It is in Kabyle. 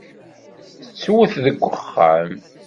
Tettwet deg uxxam.